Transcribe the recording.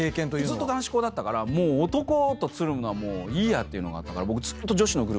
ずっと男子校だったから男とつるむのはいいやっていうのがあったから僕。